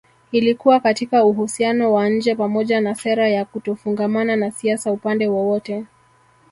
Ilikuwa katika uhusiano wa nje pamoja na sera ya kutofungamana na siasa upande wowote